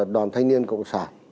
đoàn thanh niên cộng sản